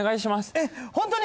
えっホントに？